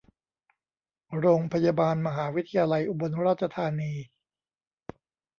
โรงพยาบาลมหาวิทยาลัยอุบลราชธานี